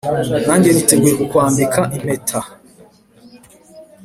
Nanjye niteguye kukwambika impeta